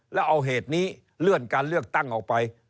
แล้วเอาเหตุนี้เลื่อนการเลือกตั้งออกไป